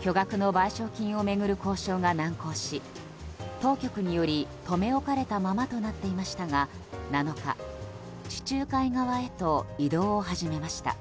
巨額の賠償金を巡る交渉が難航し当局により留め置かれたままとなっていましたが７日、地中海側へと移動を始めました。